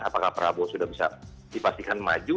apakah prabowo sudah bisa dipastikan maju